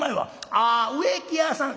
「ああ植木屋さん」。